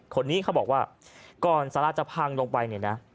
คนนี้เขาบอกว่าก่อนสาราจะพังลงไปเนี่ยนะ